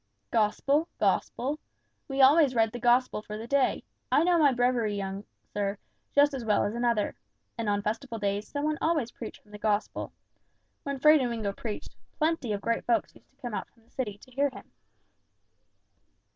"Gospel, gospel? We always read the gospel for the day. I know my Breviary, young sir, just as well as another. And on festival days, some one always preached from the gospel. When Fray Domingo preached, plenty of great folks used to come out from the city to hear him.